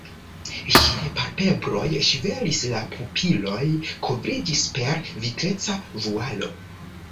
Ŝiaj palpebroj ŝvelis, la pupiloj kovriĝis per vitreca vualo.